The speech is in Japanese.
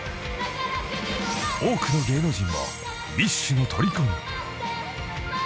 ［多くの芸能人もＢｉＳＨのとりこに］